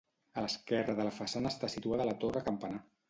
A l'esquerra de la façana està situada la torre campanar.